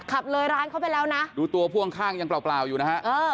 ขับเลยร้านเขาไปแล้วนะดูตัวพ่วงข้างยังเปล่าเปล่าอยู่นะฮะ